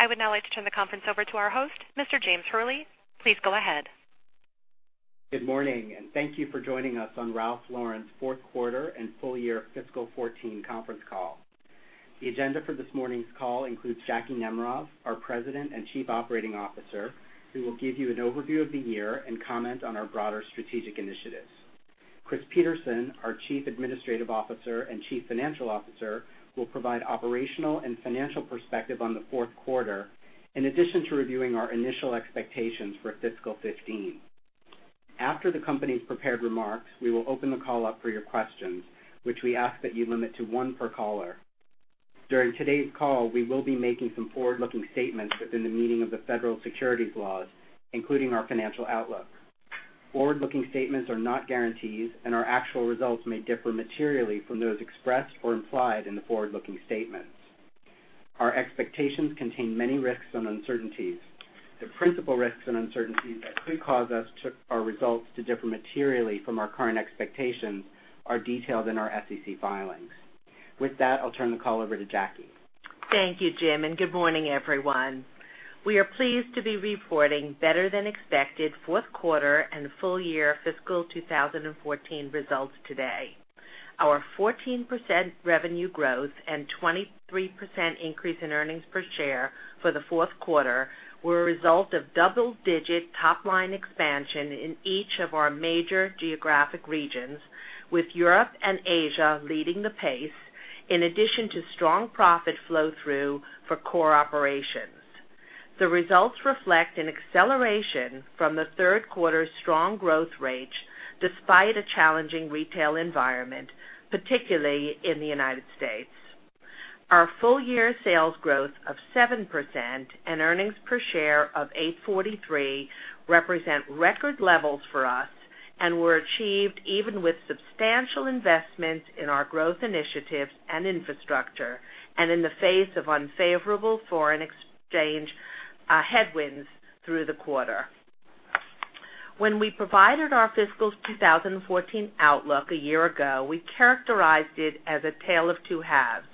I would now like to turn the conference over to our host, Mr. James Hurley. Please go ahead. Good morning, thank you for joining us on Ralph Lauren's fourth quarter and full year fiscal 2014 conference call. The agenda for this morning's call includes Jacki Nemerov, our President and Chief Operating Officer, who will give you an overview of the year and comment on our broader strategic initiatives. Chris Peterson, our Chief Administrative Officer and Chief Financial Officer, will provide operational and financial perspective on the fourth quarter, in addition to reviewing our initial expectations for fiscal 2015. After the company's prepared remarks, we will open the call up for your questions, which we ask that you limit to one per caller. During today's call, we will be making some forward-looking statements within the meaning of the federal securities laws, including our financial outlook. Forward-looking statements are not guarantees, our actual results may differ materially from those expressed or implied in the forward-looking statements. Our expectations contain many risks and uncertainties. The principal risks and uncertainties that could cause our results to differ materially from our current expectations are detailed in our SEC filings. With that, I'll turn the call over to Jacki. Thank you, Jim, good morning, everyone. We are pleased to be reporting better than expected fourth quarter and full year fiscal 2014 results today. Our 14% revenue growth and 23% increase in earnings per share for the fourth quarter were a result of double-digit top-line expansion in each of our major geographic regions, with Europe and Asia leading the pace, in addition to strong profit flow-through for core operations. The results reflect an acceleration from the third quarter's strong growth rates despite a challenging retail environment, particularly in the United States. Our full-year sales growth of 7% and earnings per share of $8.43 represent record levels for us and were achieved even with substantial investments in our growth initiatives and infrastructure, in the face of unfavorable foreign exchange headwinds through the quarter. When we provided our fiscal 2014 outlook a year ago, we characterized it as a tale of two halves.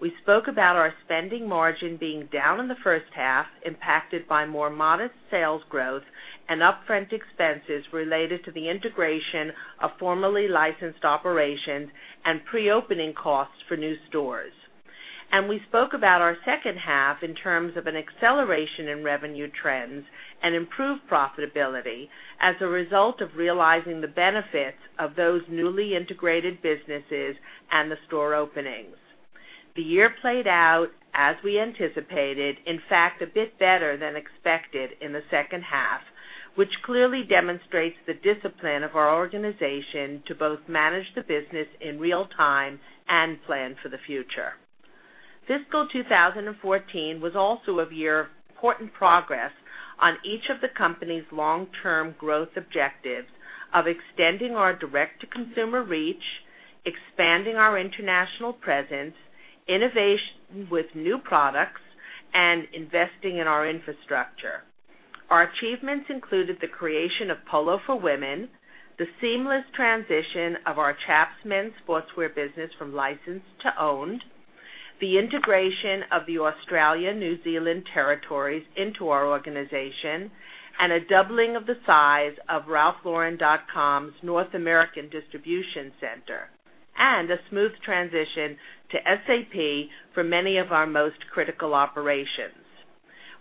We spoke about our spending margin being down in the first half, impacted by more modest sales growth and upfront expenses related to the integration of formerly licensed operations and pre-opening costs for new stores. We spoke about our second half in terms of an acceleration in revenue trends and improved profitability as a result of realizing the benefits of those newly integrated businesses and the store openings. The year played out as we anticipated, in fact, a bit better than expected in the second half, which clearly demonstrates the discipline of our organization to both manage the business in real time and plan for the future. Fiscal 2014 was also a year of important progress on each of the company's long-term growth objectives of extending our direct-to-consumer reach, expanding our international presence, innovation with new products, and investing in our infrastructure. Our achievements included the creation of Polo for women, the seamless transition of our Chaps men's sportswear business from licensed to owned, the integration of the Australia New Zealand territories into our organization, and a doubling of the size of ralphlauren.com's North American distribution center, and a smooth transition to SAP for many of our most critical operations.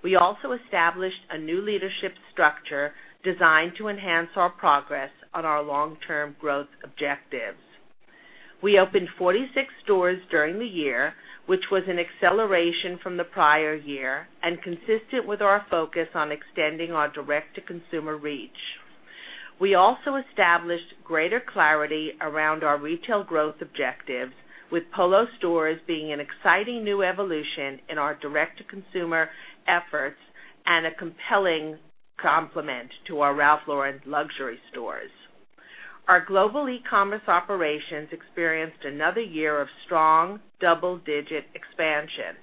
We also established a new leadership structure designed to enhance our progress on our long-term growth objectives. We opened 46 stores during the year, which was an acceleration from the prior year and consistent with our focus on extending our direct-to-consumer reach. We also established greater clarity around our retail growth objectives, with Polo stores being an exciting new evolution in our direct-to-consumer efforts and a compelling complement to our Ralph Lauren luxury stores. Our global e-commerce operations experienced another year of strong double-digit expansion.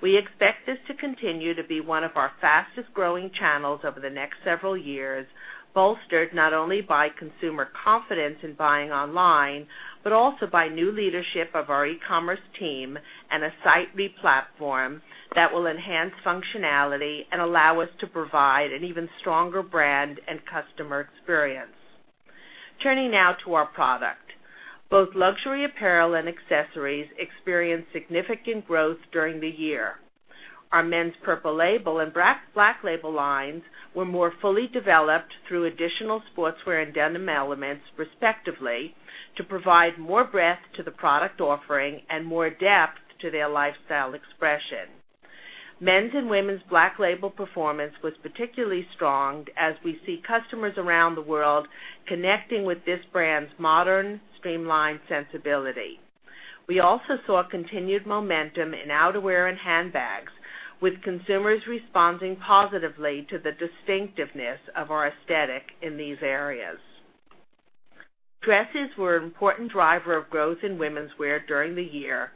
We expect this to continue to be one of our fastest-growing channels over the next several years, bolstered not only by consumer confidence in buying online, but also by new leadership of our e-commerce team and a site re-platform that will enhance functionality and allow us to provide an even stronger brand and customer experience. Turning now to our product. Both luxury apparel and accessories experienced significant growth during the year. Our men's Purple Label and Black Label lines were more fully developed through additional sportswear and denim elements, respectively, to provide more breadth to the product offering and more depth to their lifestyle expression. Men's and women's Black Label performance was particularly strong as we see customers around the world connecting with this brand's modern, streamlined sensibility. We also saw continued momentum in outerwear and handbags, with consumers responding positively to the distinctiveness of our aesthetic in these areas. Dresses were an important driver of growth in womenswear during the year.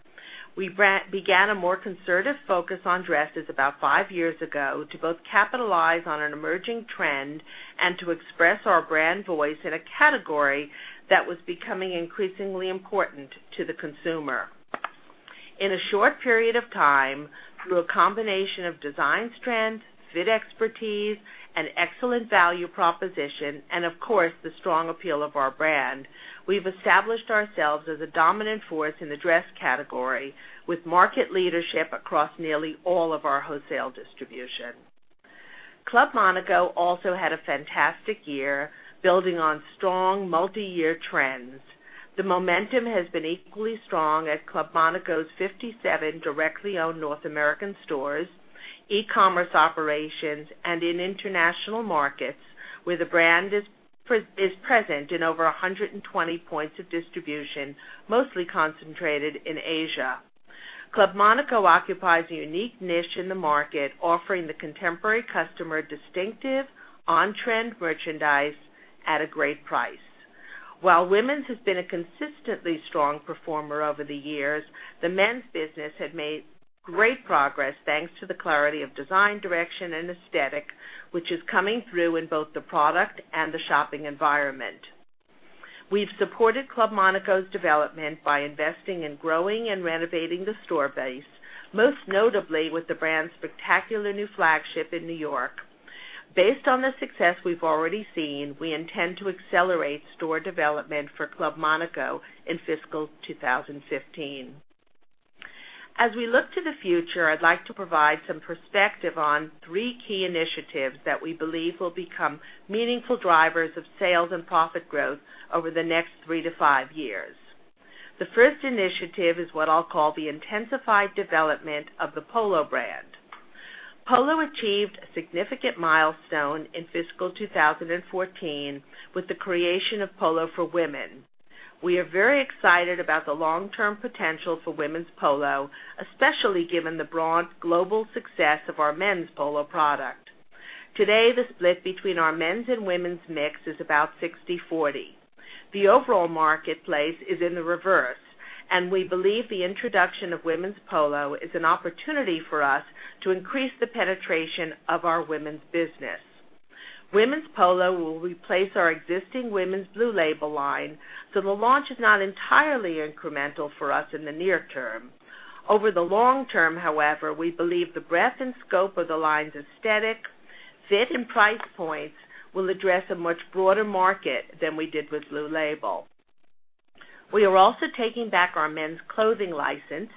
We began a more conservative focus on dresses about five years ago to both capitalize on an emerging trend and to express our brand voice in a category that was becoming increasingly important to the consumer. In a short period of time, through a combination of design strength, fit expertise, and excellent value proposition, and of course, the strong appeal of our brand, we've established ourselves as a dominant force in the dress category with market leadership across nearly all of our wholesale distribution. Club Monaco also had a fantastic year building on strong multi-year trends. The momentum has been equally strong at Club Monaco's 57 directly owned North American stores, e-commerce operations, and in international markets where the brand is present in over 120 points of distribution, mostly concentrated in Asia. Club Monaco occupies a unique niche in the market, offering the contemporary customer distinctive, on-trend merchandise at a great price. While women's has been a consistently strong performer over the years, the men's business had made great progress thanks to the clarity of design direction and aesthetic, which is coming through in both the product and the shopping environment. We've supported Club Monaco's development by investing in growing and renovating the store base, most notably with the brand's spectacular new flagship in New York. Based on the success we've already seen, we intend to accelerate store development for Club Monaco in fiscal 2015. As we look to the future, I'd like to provide some perspective on three key initiatives that we believe will become meaningful drivers of sales and profit growth over the next three to five years. The first initiative is what I'll call the intensified development of the Polo brand. Polo achieved a significant milestone in fiscal 2014 with the creation of Polo for women. We are very excited about the long-term potential for women's Polo, especially given the broad global success of our men's Polo product. Today, the split between our men's and women's mix is about 60/40. The overall marketplace is in the reverse, we believe the introduction of women's Polo is an opportunity for us to increase the penetration of our women's business. Women's Polo will replace our existing women's Blue Label line, the launch is not entirely incremental for us in the near term. Over the long term, however, we believe the breadth and scope of the line's aesthetic, fit, and price points will address a much broader market than we did with Blue Label. We are also taking back our men's clothing license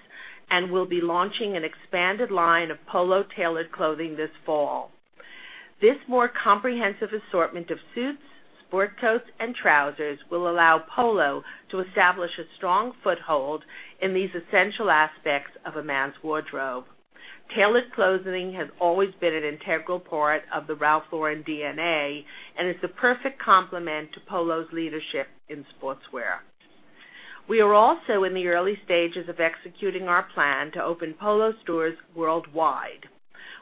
and will be launching an expanded line of Polo tailored clothing this fall. This more comprehensive assortment of suits, sports coats, and trousers will allow Polo to establish a strong foothold in these essential aspects of a man's wardrobe. Tailored clothing has always been an integral part of the Ralph Lauren DNA and is the perfect complement to Polo's leadership in sportswear. We are also in the early stages of executing our plan to open Polo stores worldwide.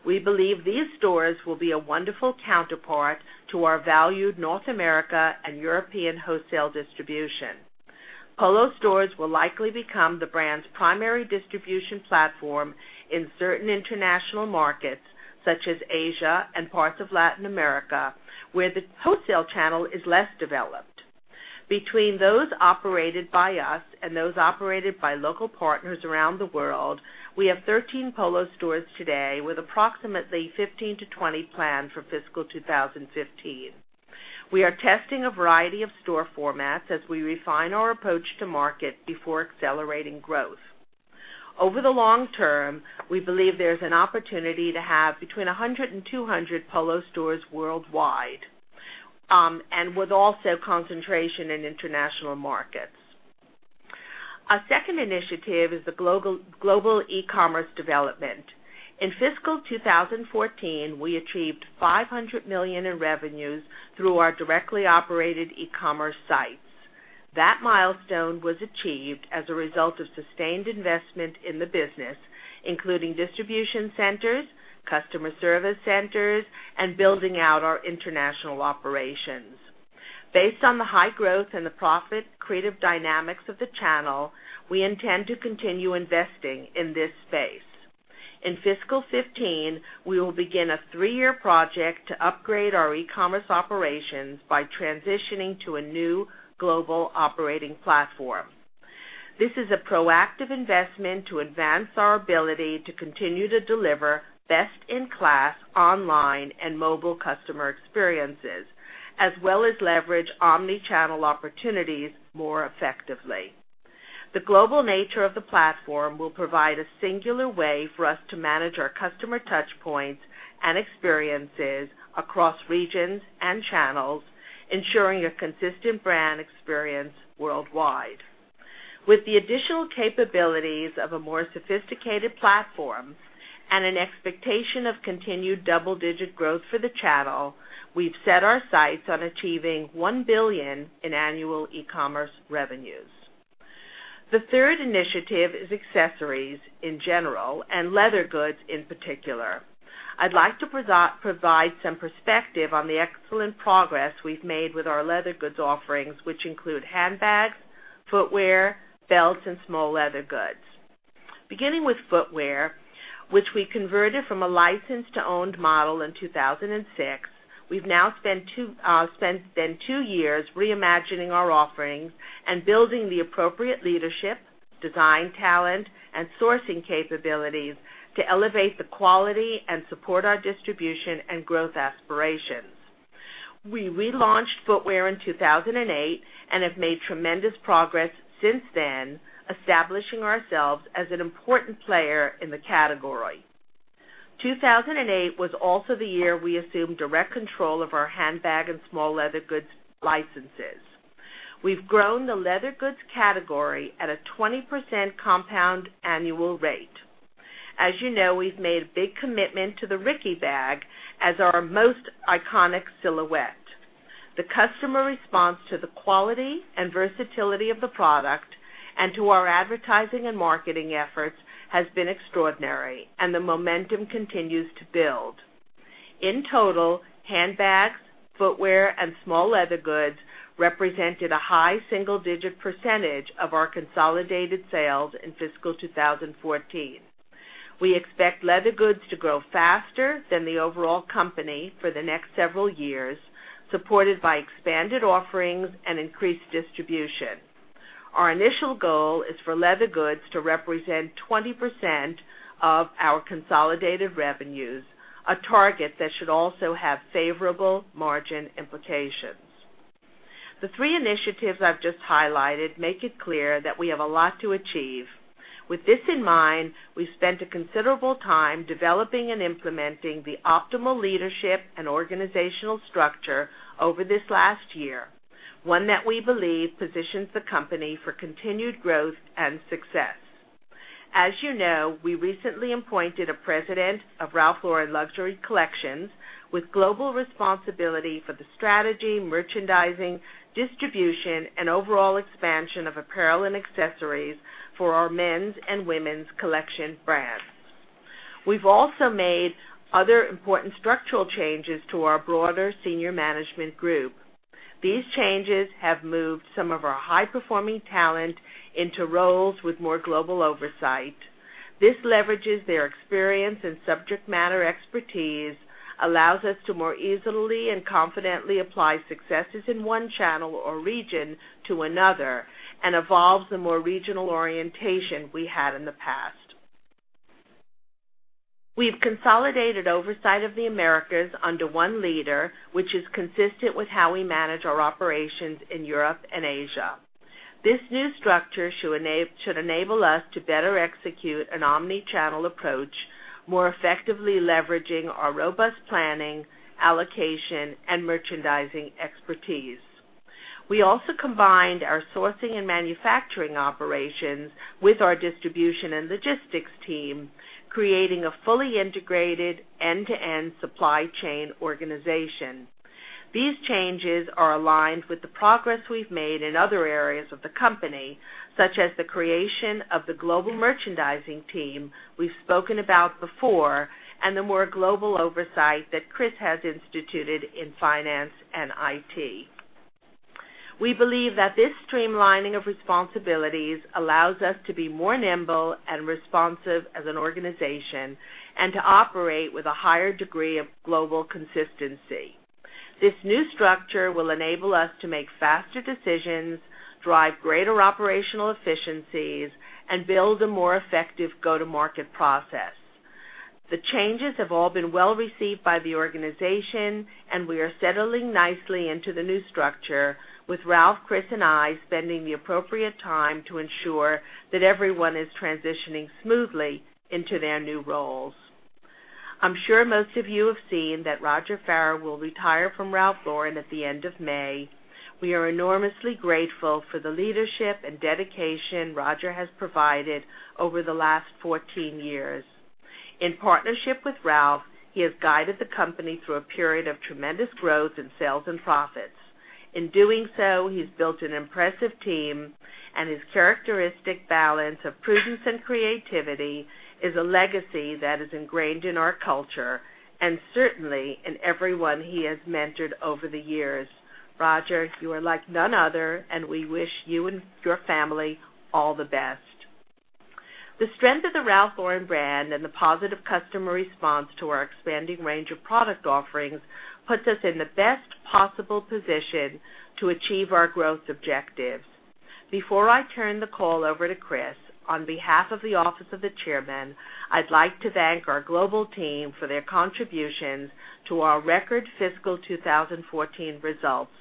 We believe these stores will be a wonderful counterpart to our valued North America and European wholesale distribution. Polo stores will likely become the brand's primary distribution platform in certain international markets, such as Asia and parts of Latin America, where the wholesale channel is less developed. Between those operated by us and those operated by local partners around the world, we have 13 Polo stores today with approximately 15 to 20 planned for fiscal 2015. We are testing a variety of store formats as we refine our approach to market before accelerating growth. Over the long term, there's an opportunity to have between 100 and 200 Polo stores worldwide, with also concentration in international markets. Our second initiative is the global e-commerce development. In fiscal 2014, we achieved $500 million in revenues through our directly operated e-commerce sites. That milestone was achieved as a result of sustained investment in the business, including distribution centers, customer service centers, and building out our international operations. Based on the high growth and the profit-accretive dynamics of the channel, we intend to continue investing in this space. In fiscal 2015, we will begin a three-year project to upgrade our e-commerce operations by transitioning to a new global operating platform. This is a proactive investment to advance our ability to continue to deliver best-in-class online and mobile customer experiences, as well as leverage omni-channel opportunities more effectively. The global nature of the platform will provide a singular way for us to manage our customer touchpoints and experiences across regions and channels, ensuring a consistent brand experience worldwide. With the additional capabilities of a more sophisticated platform and an expectation of continued double-digit growth for the channel, we've set our sights on achieving $1 billion in annual e-commerce revenues. The third initiative is accessories in general, and leather goods in particular. I'd like to provide some perspective on the excellent progress we've made with our leather goods offerings, which include handbags, footwear, belts, and small leather goods. Beginning with footwear which we converted from a licensed to owned model in 2006. We've now spent two years reimagining our offerings and building the appropriate leadership, design talent, and sourcing capabilities to elevate the quality and support our distribution and growth aspirations. We relaunched footwear in 2008 and have made tremendous progress since then, establishing ourselves as an important player in the category. 2008 was also the year we assumed direct control of our handbag and small leather goods licenses. We've grown the leather goods category at a 20% compound annual rate. As you know, we've made a big commitment to the Ricky bag as our most iconic silhouette. The customer response to the quality and versatility of the product and to our advertising and marketing efforts has been extraordinary, and the momentum continues to build. In total, handbags, footwear, and small leather goods represented a high single-digit percentage of our consolidated sales in fiscal 2014. We expect leather goods to grow faster than the overall company for the next several years, supported by expanded offerings and increased distribution. Our initial goal is for leather goods to represent 20% of our consolidated revenues, a target that should also have favorable margin implications. The three initiatives I've just highlighted make it clear that we have a lot to achieve. With this in mind, we've spent a considerable time developing and implementing the optimal leadership and organizational structure over this last year, one that we believe positions the company for continued growth and success. As you know, we recently appointed a president of Ralph Lauren Luxury Collections with global responsibility for the strategy, merchandising, distribution, and overall expansion of apparel and accessories for our men's and women's Collection brands. We've also made other important structural changes to our broader senior management group. These changes have moved some of our high-performing talent into roles with more global oversight. This leverages their experience and subject matter expertise, allows us to more easily and confidently apply successes in one channel or region to another, and evolves the more regional orientation we had in the past. We've consolidated oversight of the Americas under one leader, which is consistent with how we manage our operations in Europe and Asia. This new structure should enable us to better execute an omni-channel approach, more effectively leveraging our robust planning, allocation, and merchandising expertise. We also combined our sourcing and manufacturing operations with our distribution and logistics team, creating a fully integrated end-to-end supply chain organization. These changes are aligned with the progress we've made in other areas of the company, such as the creation of the global merchandising team we've spoken about before, and the more global oversight that Chris has instituted in finance and IT. We believe that this streamlining of responsibilities allows us to be more nimble and responsive as an organization and to operate with a higher degree of global consistency. This new structure will enable us to make faster decisions, drive greater operational efficiencies, and build a more effective go-to-market process. The changes have all been well-received by the organization. We are settling nicely into the new structure with Ralph, Chris, and I spending the appropriate time to ensure that everyone is transitioning smoothly into their new roles. I'm sure most of you have seen that Roger Farah will retire from Ralph Lauren at the end of May. We are enormously grateful for the leadership and dedication Roger has provided over the last 14 years. In partnership with Ralph, he has guided the company through a period of tremendous growth in sales and profits. In doing so, he's built an impressive team. His characteristic balance of prudence and creativity is a legacy that is ingrained in our culture and certainly in everyone he has mentored over the years. Roger, you are like none other. We wish you and your family all the best. The strength of the Ralph Lauren brand and the positive customer response to our expanding range of product offerings puts us in the best possible position to achieve our growth objectives. Before I turn the call over to Chris, on behalf of the office of the Chairman, I'd like to thank our global team for their contributions to our record fiscal 2014 results.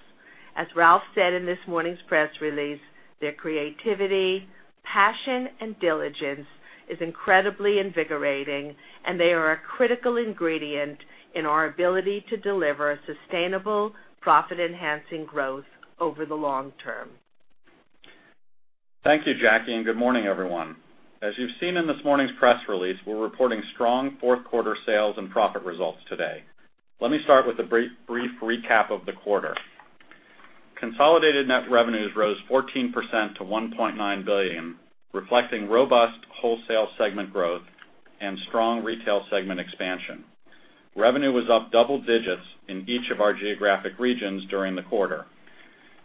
As Ralph said in this morning's press release, their creativity, passion, and diligence is incredibly invigorating. They are a critical ingredient in our ability to deliver sustainable, profit-enhancing growth over the long term. Thank you, Jacki, and good morning, everyone. As you've seen in this morning's press release, we're reporting strong fourth quarter sales and profit results today. Let me start with a brief recap of the quarter. Consolidated net revenues rose 14% to $1.9 billion, reflecting robust wholesale segment growth and strong retail segment expansion. Revenue was up double digits in each of our geographic regions during the quarter.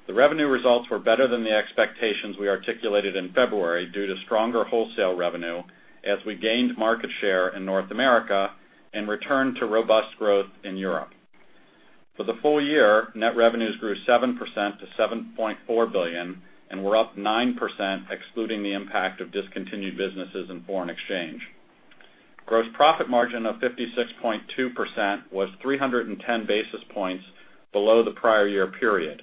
The revenue results were better than the expectations we articulated in February due to stronger wholesale revenue as we gained market share in North America and returned to robust growth in Europe. For the full year, net revenues grew 7% to $7.4 billion and were up 9%, excluding the impact of discontinued businesses and foreign exchange. Gross profit margin of 56.2% was 310 basis points below the prior year period.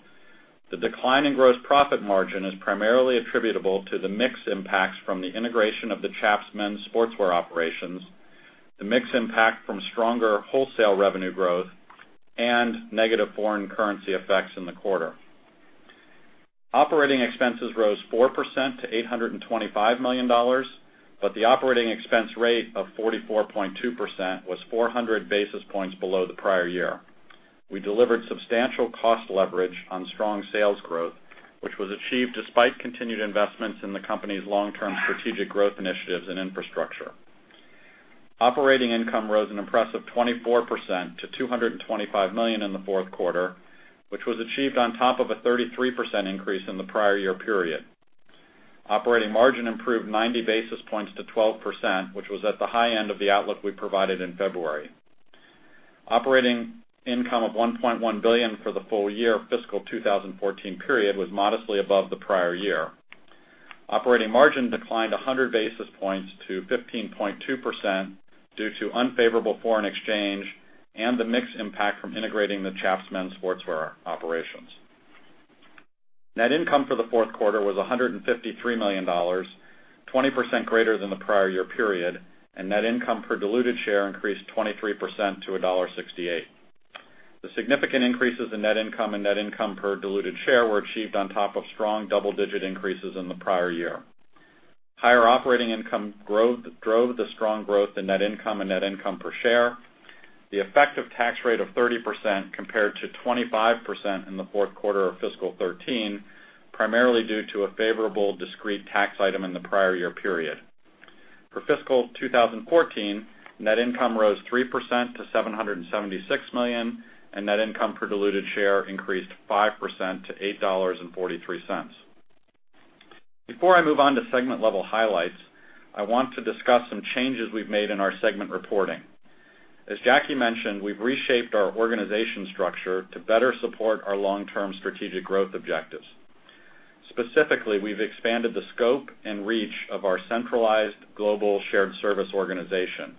The decline in gross profit margin is primarily attributable to the mix impacts from the integration of the Chaps Men's sportswear operations, the mix impact from stronger wholesale revenue growth, and negative foreign currency effects in the quarter. Operating expenses rose 4% to $825 million, the operating expense rate of 44.2% was 400 basis points below the prior year. We delivered substantial cost leverage on strong sales growth, which was achieved despite continued investments in the company's long-term strategic growth initiatives and infrastructure. Operating income rose an impressive 24% to $225 million in the fourth quarter, which was achieved on top of a 33% increase in the prior year period. Operating margin improved 90 basis points to 12%, which was at the high end of the outlook we provided in February. Operating income of $1.1 billion for the full year fiscal 2014 period was modestly above the prior year. Operating margin declined 100 basis points to 15.2% due to unfavorable foreign exchange and the mix impact from integrating the Chaps Men's sportswear operations. Net income for the fourth quarter was $153 million, 20% greater than the prior year period, net income per diluted share increased 23% to $1.68. The significant increases in net income and net income per diluted share were achieved on top of strong double-digit increases in the prior year. Higher operating income drove the strong growth in net income and net income per share. The effective tax rate of 30% compared to 25% in the fourth quarter of fiscal 2013, primarily due to a favorable discrete tax item in the prior year period. For fiscal 2014, net income rose 3% to $776 million, net income per diluted share increased 5% to $8.43. Before I move on to segment level highlights, I want to discuss some changes we've made in our segment reporting. As Jacki Nemerov mentioned, we've reshaped our organization structure to better support our long-term strategic growth objectives. Specifically, we've expanded the scope and reach of our centralized global shared service organization.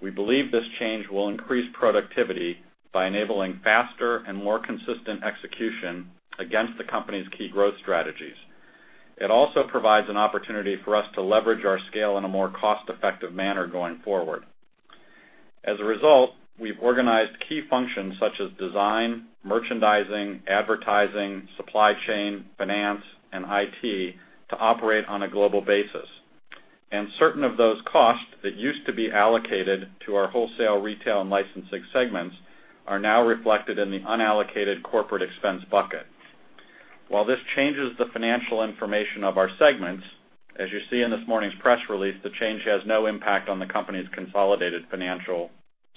We believe this change will increase productivity by enabling faster and more consistent execution against the company's key growth strategies. It also provides an opportunity for us to leverage our scale in a more cost-effective manner going forward. As a result, we've organized key functions such as design, merchandising, advertising, supply chain, finance, and IT to operate on a global basis. Certain of those costs that used to be allocated to our wholesale, retail, and licensing segments are now reflected in the unallocated corporate expense bucket. While this changes the financial information of our segments, as you see in this morning's press release, the change has no impact on the company's consolidated financial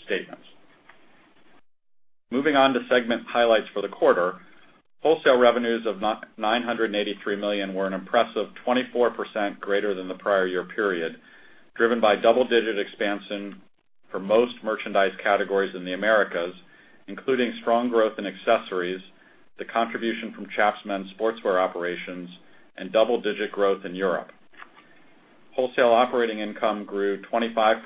statements. Moving on to segment highlights for the quarter. Wholesale revenues of $983 million were an impressive 24% greater than the prior year period, driven by double-digit expansion for most merchandise categories in the Americas, including strong growth in accessories, the contribution from Chaps Men's sportswear operations, double-digit growth in Europe. Wholesale operating income grew 25%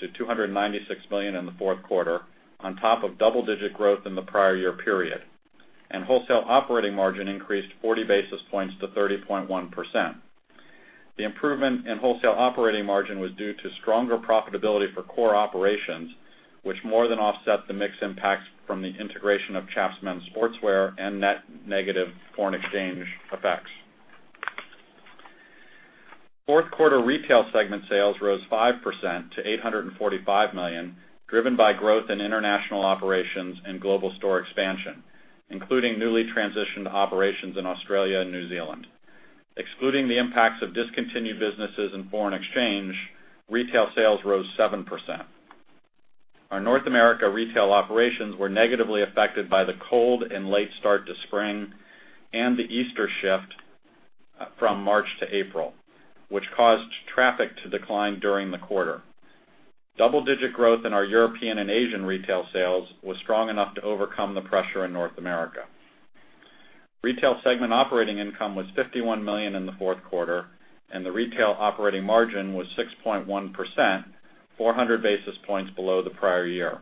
to $296 million in the fourth quarter, on top of double-digit growth in the prior year period. Wholesale operating margin increased 40 basis points to 30.1%. The improvement in wholesale operating margin was due to stronger profitability for core operations, which more than offset the mix impacts from the integration of Chaps Men's sportswear and net negative foreign exchange effects. Fourth quarter retail segment sales rose 5% to $845 million, driven by growth in international operations and global store expansion, including newly transitioned operations in Australia and New Zealand. Excluding the impacts of discontinued businesses and foreign exchange, retail sales rose 7%. Our North America retail operations were negatively affected by the cold and late start to spring and the Easter shift from March to April, which caused traffic to decline during the quarter. Double-digit growth in our European and Asian retail sales was strong enough to overcome the pressure in North America. Retail segment operating income was $51 million in the fourth quarter, and the retail operating margin was 6.1%, 400 basis points below the prior year.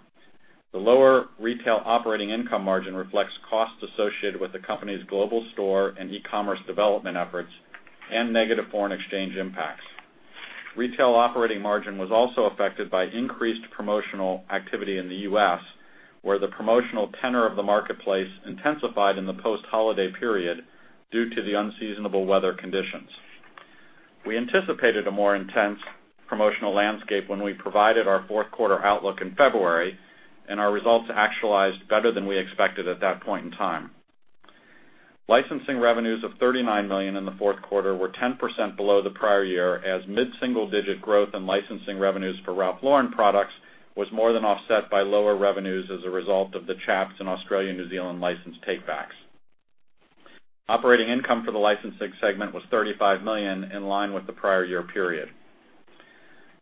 The lower retail operating income margin reflects costs associated with the company's global store and e-commerce development efforts and negative foreign exchange impacts. Retail operating margin was also affected by increased promotional activity in the U.S., where the promotional tenor of the marketplace intensified in the post-holiday period due to the unseasonable weather conditions. We anticipated a more intense promotional landscape when we provided our fourth quarter outlook in February, and our results actualized better than we expected at that point in time. Licensing revenues of $39 million in the fourth quarter were 10% below the prior year as mid-single-digit growth in licensing revenues for Ralph Lauren products was more than offset by lower revenues as a result of the Chaps and Australia, New Zealand license take backs. Operating income for the licensing segment was $35 million, in line with the prior year period.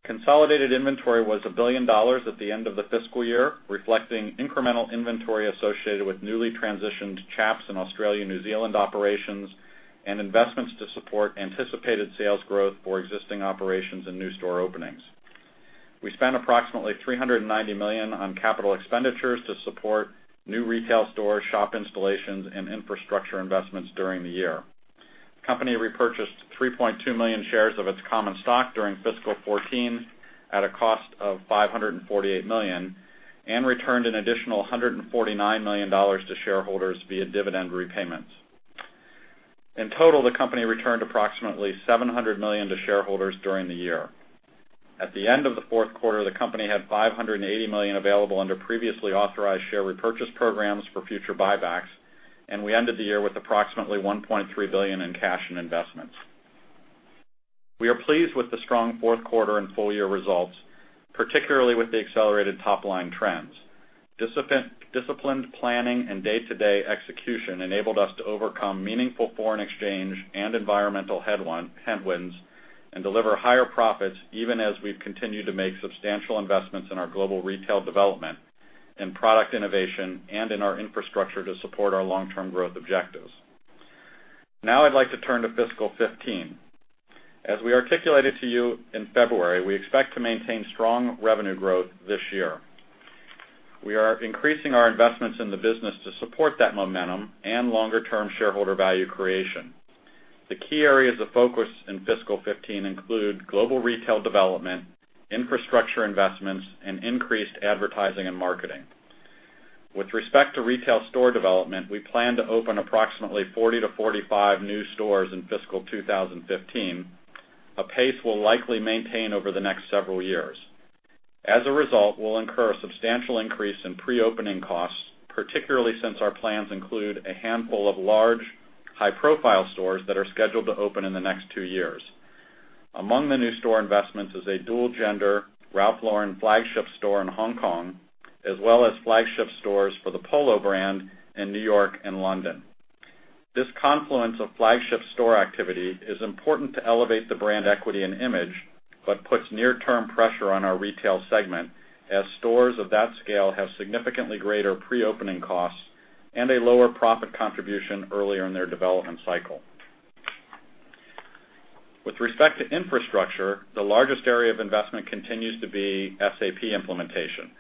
Consolidated inventory was $1 billion at the end of the fiscal year, reflecting incremental inventory associated with newly transitioned Chaps in Australia, New Zealand operations, and investments to support anticipated sales growth for existing operations and new store openings. We spent approximately $390 million on capital expenditures to support new retail stores, shop installations, and infrastructure investments during the year. The company repurchased 3.2 million shares of its common stock during fiscal 2014 at a cost of $548 million and returned an additional $149 million to shareholders via dividend repayments. In total, the company returned approximately $700 million to shareholders during the year. At the end of the fourth quarter, the company had $580 million available under previously authorized share repurchase programs for future buybacks, and we ended the year with approximately $1.3 billion in cash and investments. We are pleased with the strong fourth quarter and full-year results, particularly with the accelerated top-line trends. Disciplined planning and day-to-day execution enabled us to overcome meaningful foreign exchange and environmental headwinds, and deliver higher profits even as we've continued to make substantial investments in our global retail development and product innovation and in our infrastructure to support our long-term growth objectives. Now I'd like to turn to fiscal 2015. As we articulated to you in February, we expect to maintain strong revenue growth this year. We are increasing our investments in the business to support that momentum and longer-term shareholder value creation. The key areas of focus in fiscal 2015 include global retail development, infrastructure investments, and increased advertising and marketing. With respect to retail store development, we plan to open approximately 40 to 45 new stores in fiscal 2015, a pace we will likely maintain over the next several years. As a result, we will incur a substantial increase in pre-opening costs, particularly since our plans include a handful of large, high-profile stores that are scheduled to open in the next two years. Among the new store investments is a dual-gender Ralph Lauren flagship store in Hong Kong, as well as flagship stores for the Polo brand in New York and London. This confluence of flagship store activity is important to elevate the brand equity and image, but puts near-term pressure on our retail segment, as stores of that scale have significantly greater pre-opening costs and a lower profit contribution earlier in their development cycle. With respect to infrastructure, the largest area of investment continues to be SAP implementation.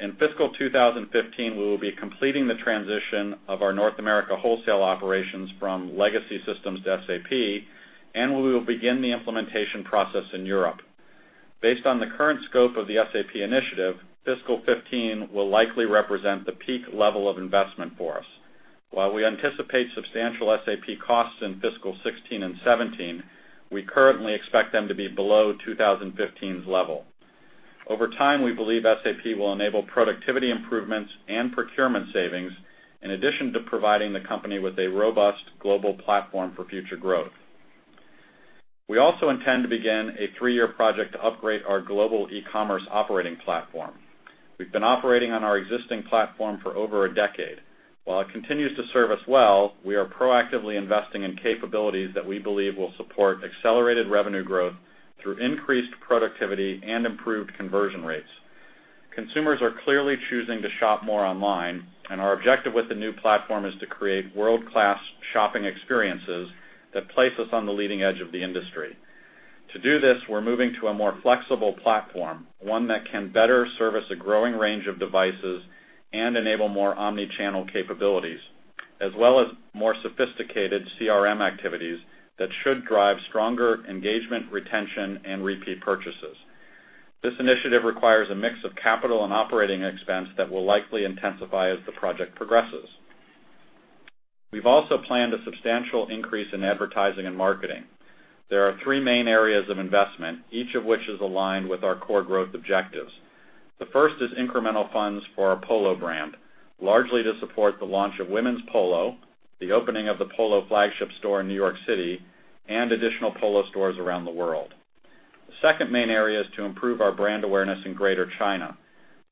In fiscal 2015, we will be completing the transition of our North America wholesale operations from legacy systems to SAP, and we will begin the implementation process in Europe. Based on the current scope of the SAP initiative, fiscal 2015 will likely represent the peak level of investment for us. While we anticipate substantial SAP costs in fiscal 2016 and 2017, we currently expect them to be below 2015's level. Over time, we believe SAP will enable productivity improvements and procurement savings, in addition to providing the company with a robust global platform for future growth. We also intend to begin a three-year project to upgrade our global e-commerce operating platform. We have been operating on our existing platform for over a decade. While it continues to serve us well, we are proactively investing in capabilities that we believe will support accelerated revenue growth through increased productivity and improved conversion rates. Consumers are clearly choosing to shop more online, and our objective with the new platform is to create world-class shopping experiences that place us on the leading edge of the industry. To do this, we are moving to a more flexible platform, one that can better service a growing range of devices and enable more omni-channel capabilities, as well as more sophisticated CRM activities that should drive stronger engagement, retention, and repeat purchases. This initiative requires a mix of capital and operating expense that will likely intensify as the project progresses. We have also planned a substantial increase in advertising and marketing. There are three main areas of investment, each of which is aligned with our core growth objectives. The first is incremental funds for our Polo brand, largely to support the launch of women's Polo, the opening of the Polo flagship store in New York City, and additional Polo stores around the world. The second main area is to improve our brand awareness in Greater China.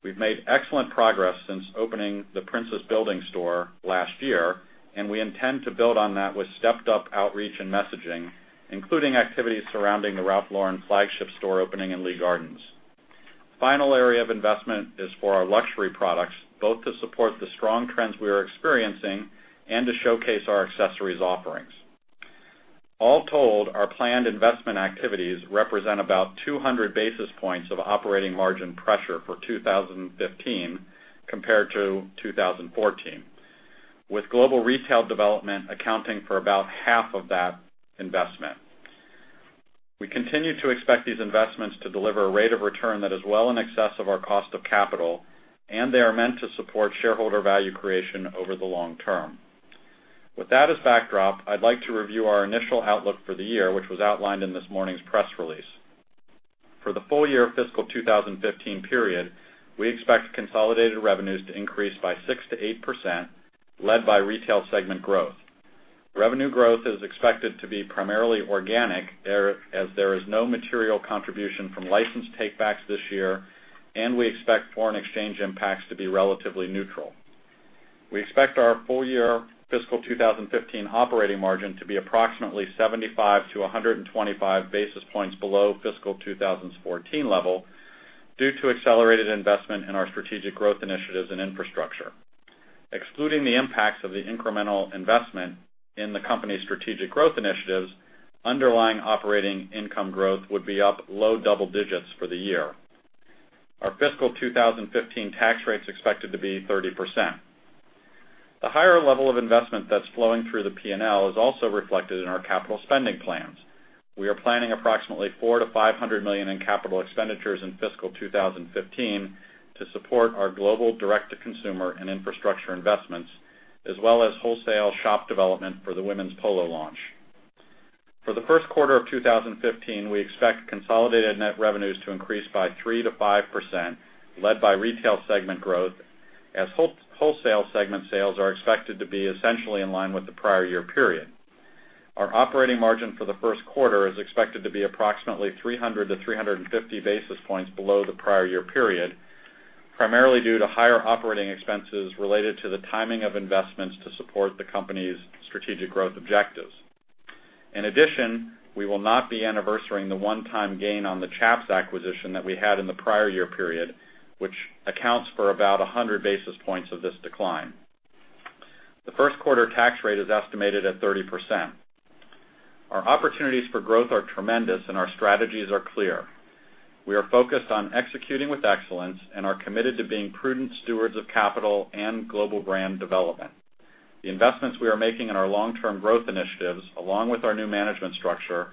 We have made excellent progress since opening the Prince's Building store last year, and we intend to build on that with stepped-up outreach and messaging, including activities surrounding the Ralph Lauren flagship store opening in Lee Gardens. The final area of investment is for our luxury products, both to support the strong trends we are experiencing and to showcase our accessories offerings. All told, our planned investment activities represent about 200 basis points of operating margin pressure for 2015 compared to 2014, with global retail development accounting for about half of that investment. We continue to expect these investments to deliver a rate of return that is well in excess of our cost of capital, and they are meant to support shareholder value creation over the long term. With that as backdrop, I'd like to review our initial outlook for the year, which was outlined in this morning's press release. For the full year of fiscal 2015 period, we expect consolidated revenues to increase by 6%-8%, led by retail segment growth. Revenue growth is expected to be primarily organic, as there is no material contribution from license takebacks this year, and we expect foreign exchange impacts to be relatively neutral. We expect our full-year fiscal 2015 operating margin to be approximately 75 to 125 basis points below fiscal 2014 level due to accelerated investment in our strategic growth initiatives and infrastructure. Excluding the impacts of the incremental investment in the company's strategic growth initiatives, underlying operating income growth would be up low double digits for the year. Our fiscal 2015 tax rate's expected to be 30%. The higher level of investment that's flowing through the P&L is also reflected in our capital spending plans. We are planning approximately $400 million-$500 million in capital expenditures in fiscal 2015 to support our global direct-to-consumer and infrastructure investments, as well as wholesale shop development for the women's Polo launch. For the first quarter of 2015, we expect consolidated net revenues to increase by 3%-5%, led by retail segment growth, as wholesale segment sales are expected to be essentially in line with the prior year period. Our operating margin for the first quarter is expected to be approximately 300 to 350 basis points below the prior year period, primarily due to higher operating expenses related to the timing of investments to support the company's strategic growth objectives. We will not be anniversarying the one-time gain on the Chaps acquisition that we had in the prior year period, which accounts for about 100 basis points of this decline. The first quarter tax rate is estimated at 30%. Our opportunities for growth are tremendous, and our strategies are clear. We are focused on executing with excellence and are committed to being prudent stewards of capital and global brand development. The investments we are making in our long-term growth initiatives, along with our new management structure,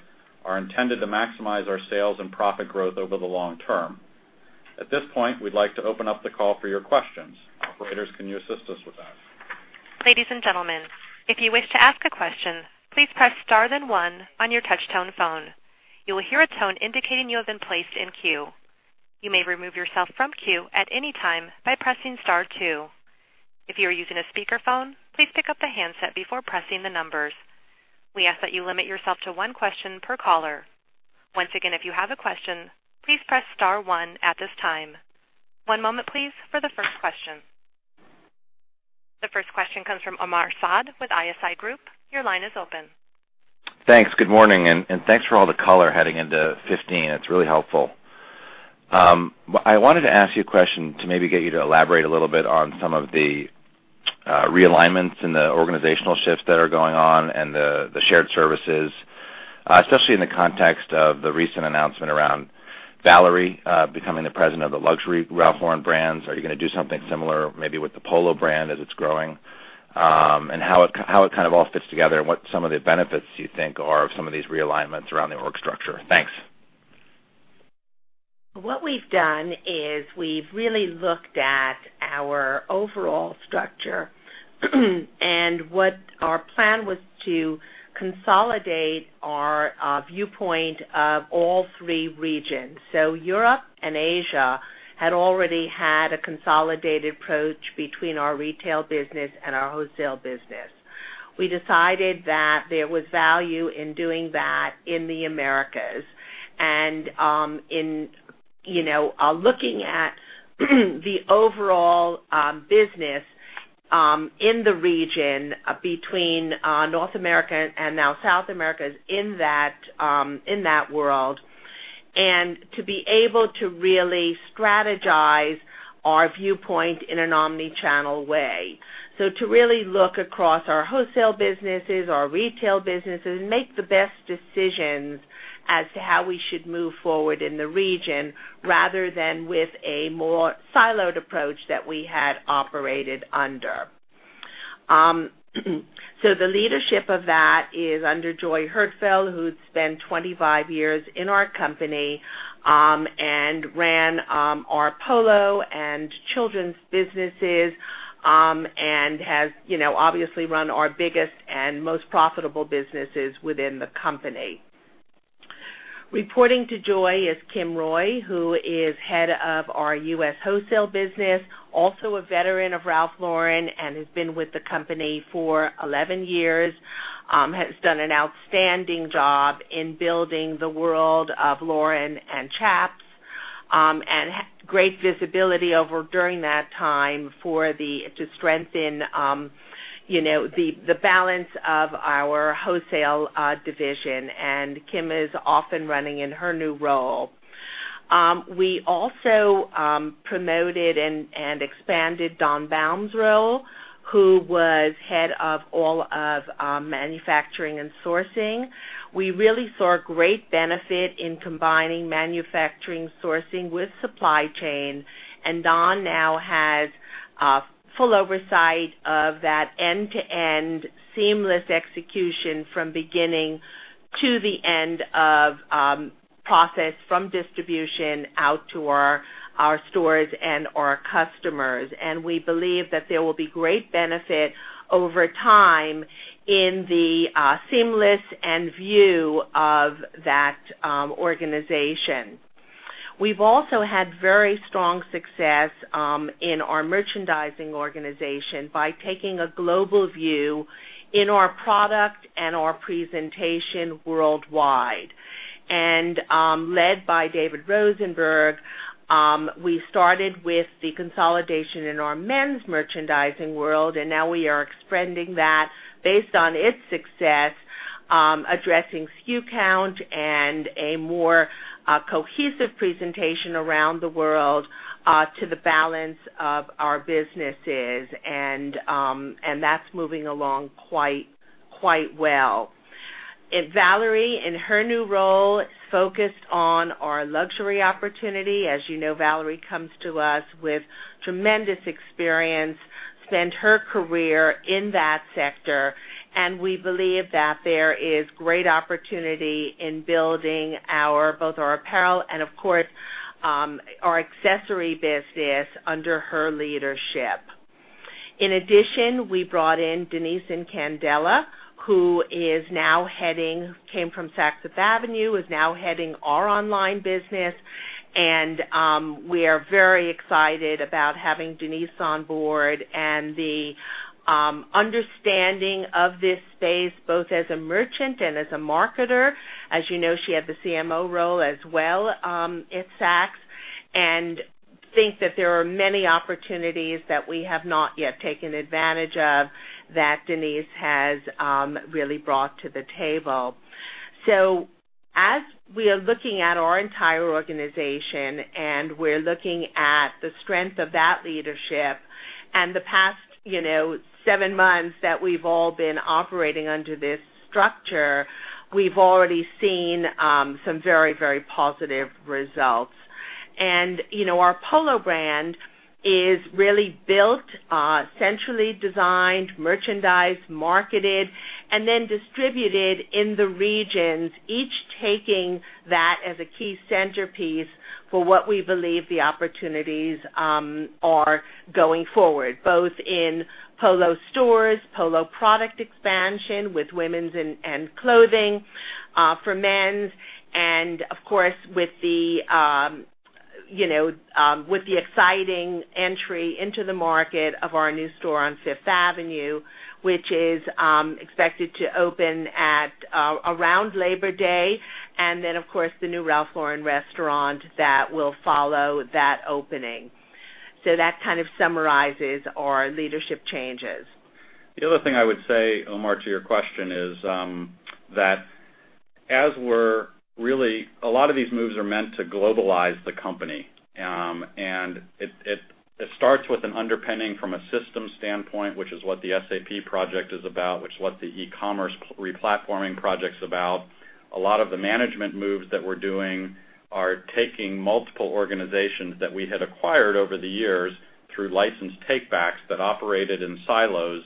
are intended to maximize our sales and profit growth over the long term. At this point, we'd like to open up the call for your questions. Operators, can you assist us with that? Ladies and gentlemen, if you wish to ask a question, please press star one on your touch tone phone. You will hear a tone indicating you have been placed in queue. You may remove yourself from queue at any time by pressing star two. If you are using a speakerphone, please pick up the handset before pressing the numbers. We ask that you limit yourself to one question per caller. Once again, if you have a question, please press star one at this time. One moment, please, for the first question. The first question comes from Omar Saad with ISI Group. Your line is open. Thanks. Good morning. Thanks for all the color heading into 2015. It's really helpful. I wanted to ask you a question to maybe get you to elaborate a little bit on some of the realignments and the organizational shifts that are going on and the shared services, especially in the context of the recent announcement around Valérie becoming the president of the luxury Ralph Lauren brands. Are you going to do something similar, maybe with the Polo brand as it's growing? How it kind of all fits together and what some of the benefits you think are of some of these realignments around the org structure. Thanks. What we've done is we've really looked at our overall structure and what our plan was to consolidate our viewpoint of all three regions. Europe and Asia had already had a consolidated approach between our retail business and our wholesale business. We decided that there was value in doing that in the Americas. In looking at the overall business in the region between North America and now South America is in that world, and to be able to really strategize our viewpoint in an omni-channel way. To really look across our wholesale businesses, our retail businesses, make the best decisions as to how we should move forward in the region, rather than with a more siloed approach that we had operated under. The leadership of that is under Joy Herfel, who's spent 25 years in our company, and ran our Polo and children's businesses, and has obviously run our biggest and most profitable businesses within the company. Reporting to Joy is Kim Roy, who is head of our U.S. wholesale business, also a veteran of Ralph Lauren and has been with the company for 11 years, has done an outstanding job in building the world of Lauren and Chaps, and great visibility over during that time to strengthen the balance of our wholesale division. Kim is off and running in her new role. We also promoted and expanded Don Baum's role, who was head of all of manufacturing and sourcing. We really saw great benefit in combining manufacturing sourcing with supply chain. Don Baum now has full oversight of that end-to-end seamless execution from beginning to the end of process from distribution out to our stores and our customers. We believe that there will be great benefit over time in the seamless end view of that organization. We've also had very strong success in our merchandising organization by taking a global view in our product and our presentation worldwide. Led by David Rosenberg, we started with the consolidation in our men's merchandising world, and now we are expanding that based on its success, addressing SKU count and a more cohesive presentation around the world to the balance of our businesses. That's moving along quite well. Valérie, in her new role, is focused on our luxury opportunity. As you know, Valérie comes to us with tremendous experience, spent her career in that sector, and we believe that there is great opportunity in building both our apparel and of course, our accessory business under her leadership. In addition, we brought in Denise Incandela, who came from Saks Fifth Avenue, is now heading our online business. We are very excited about having Denise on board and the understanding of this space, both as a merchant and as a marketer. As you know, she had the CMO role as well at Saks, and think that there are many opportunities that we have not yet taken advantage of that Denise has really brought to the table. As we are looking at our entire organization, and we're looking at the strength of that leadership and the past seven months that we've all been operating under this structure, we've already seen some very positive results. Our Polo brand is really built, centrally designed, merchandised, marketed, and then distributed in the regions, each taking that as a key centerpiece for what we believe the opportunities are going forward, both in Polo stores, Polo product expansion with women's and clothing for men's, and of course, with the exciting entry into the market of our new store on Fifth Avenue, which is expected to open at around Labor Day. Then, of course, the new Ralph Lauren restaurant that will follow that opening. That kind of summarizes our leadership changes. The other thing I would say, Omar, to your question is that a lot of these moves are meant to globalize the company. It starts with an underpinning from a systems standpoint, which is what the SAP project is about, which is what the e-commerce re-platforming project's about. A lot of the management moves that we're doing are taking multiple organizations that we had acquired over the years through licensed take-backs that operated in silos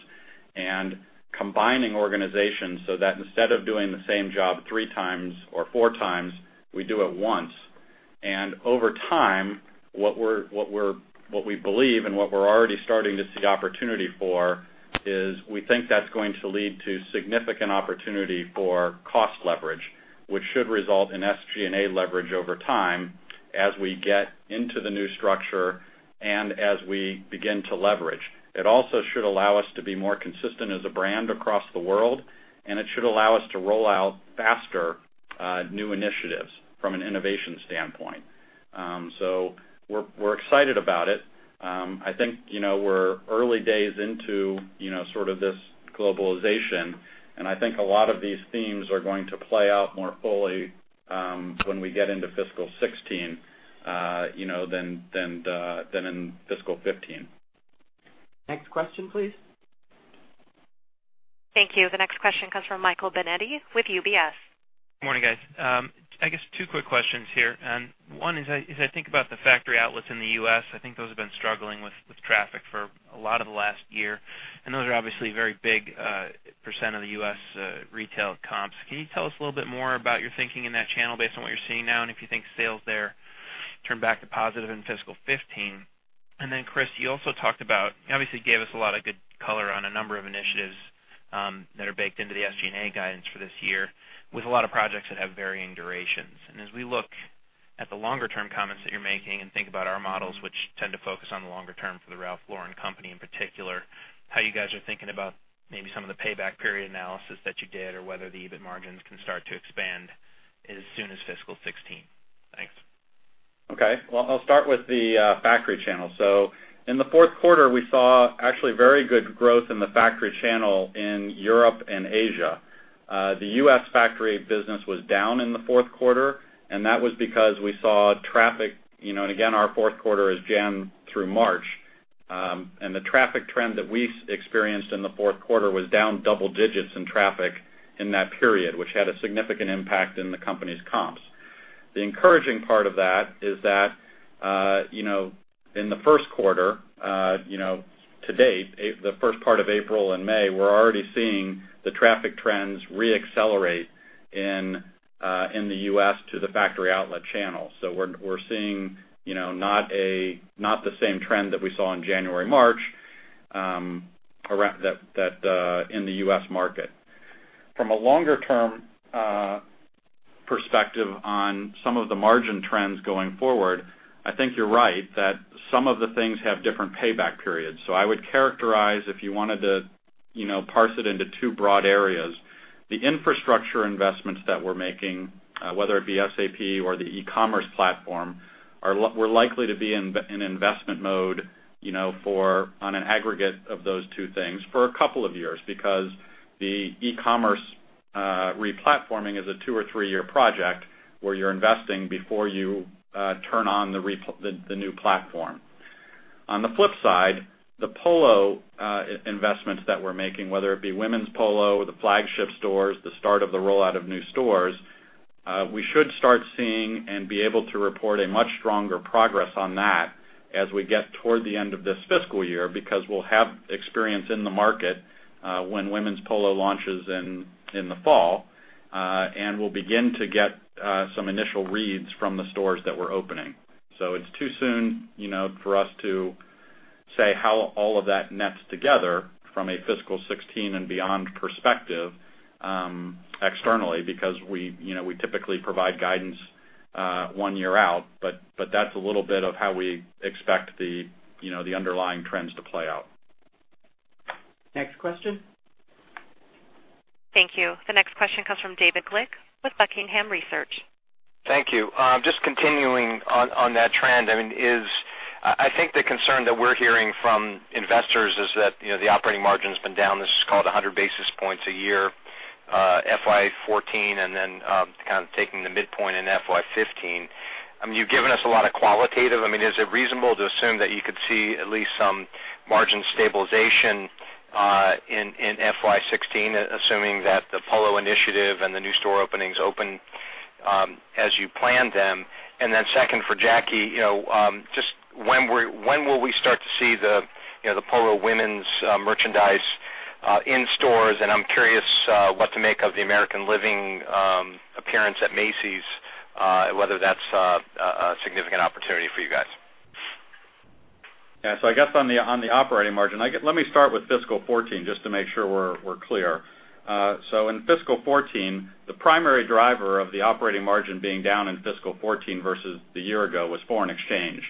and combining organizations so that instead of doing the same job three times or four times, we do it once. Over time, what we believe and what we're already starting to see opportunity for is we think that's going to lead to significant opportunity for cost leverage, which should result in SG&A leverage over time as we get into the new structure and as we begin to leverage. It also should allow us to be more consistent as a brand across the world, and it should allow us to roll out faster new initiatives from an innovation standpoint. We're excited about it. I think we're early days into sort of this globalization, and I think a lot of these themes are going to play out more fully when we get into fiscal 2016 than in fiscal 2015. Next question, please. Thank you. The next question comes from Michael Binetti with UBS. Morning, guys. I guess two quick questions here. One is as I think about the factory outlets in the U.S., I think those have been struggling with traffic for a lot of the last year, and those are obviously a very big % of the U.S. retail comps. Can you tell us a little bit more about your thinking in that channel based on what you're seeing now, and if you think sales there turn back to positive in fiscal 2015? Chris, you obviously gave us a lot of good color on a number of initiatives that are baked into the SG&A guidance for this year with a lot of projects that have varying durations. As we look at the longer-term comments that you're making and think about our models, which tend to focus on the longer term for the Ralph Lauren company in particular, how you guys are thinking about maybe some of the payback period analysis that you did or whether the EBIT margins can start to expand as soon as fiscal 2016. Thanks. Okay. Well, I'll start with the factory channel. In the fourth quarter, we saw actually very good growth in the factory channel in Europe and Asia. The U.S. factory business was down in the fourth quarter, and that was because we saw traffic, and again, our fourth quarter is January through March. The traffic trend that we experienced in the fourth quarter was down double digits in traffic in that period, which had a significant impact in the company's comps. The encouraging part of that is that in the first quarter to date, the first part of April and May, we're already seeing the traffic trends re-accelerate in the U.S. to the factory outlet channel. We're seeing not the same trend that we saw in January, March in the U.S. market. From a longer-term perspective on some of the margin trends going forward, I think you're right that some of the things have different payback periods. I would characterize, if you wanted to parse it into two broad areas, the infrastructure investments that we're making, whether it be SAP or the e-commerce platform, we're likely to be in investment mode on an aggregate of those two things for a couple of years, because the e-commerce re-platforming is a two or three-year project where you're investing before you turn on the new platform. On the flip side, the Polo investments that we're making, whether it be women's Polo, the flagship stores, the start of the rollout of new stores, we should start seeing and be able to report a much stronger progress on that as we get toward the end of this fiscal year, because we'll have experience in the market when women's Polo launches in the fall, and we'll begin to get some initial reads from the stores that we're opening. It's too soon for us to say how all of that nets together from a fiscal 2016 and beyond perspective externally, because we typically provide guidance one year out. That's a little bit of how we expect the underlying trends to play out. Next question. Thank you. The next question comes from David Glick with Buckingham Research. Thank you. Just continuing on that trend, I think the concern that we're hearing from investors is that the operating margin's been down, let's just call it 100 basis points a year, FY 2014, then kind of taking the midpoint in FY 2015. You've given us a lot of qualitative. Is it reasonable to assume that you could see at least some margin stabilization in FY 2016, assuming that the Polo initiative and the new store openings open as you planned them? Then second for Jacki, just when will we start to see the Polo women's merchandise in stores? I'm curious what to make of the American Living appearance at Macy's, whether that's a significant opportunity for you guys. On the operating margin, let me start with fiscal 2014, just to make sure we're clear. In fiscal 2014, the primary driver of the operating margin being down in fiscal 2014 versus the year ago was foreign exchange.